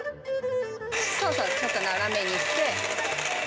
そうそう、ちょっと斜めにして。